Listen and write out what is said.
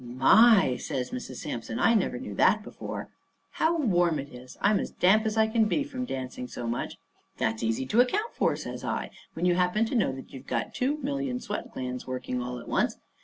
"My!" says Mrs. Sampson. "I never knew that before. How warm it is! I'm as damp as I can be from dancing so much." "That's easy to account for," says I, "when you happen to know that you've got two million sweat glands working all at once.